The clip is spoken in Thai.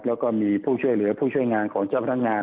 แล้วก็มีผู้ช่วยเหลือผู้ช่วยงานของเจ้าพนักงาน